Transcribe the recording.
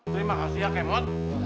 terima kasih ya kemon